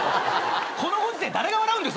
このご時世誰が笑うんだよ